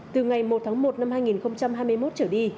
từ ngày một tháng một năm hai nghìn hai mươi một trở đi